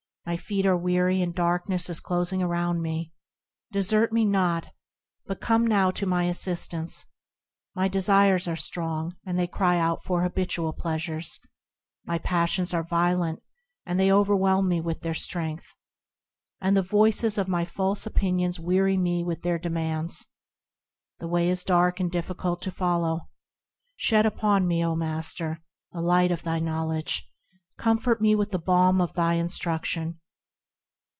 My feet are weary, and darkness is closing around me ; Desert me not, but come now to my assistance ! My desires are strong, and they cry out for their habitual pleasures ; My passions are violent, and overwhelm me with their strength ; And the voices of my false opinions weary me with their demands. The way is dark and difficult to follow ; Shed upon me, O Master ! the light of thy knowledge, Comfort me with the balm of thy instruction.